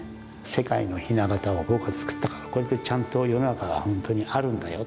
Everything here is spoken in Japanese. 世界の「ひな形」を僕は作ったからこれでちゃんと世の中が本当にあるんだよ。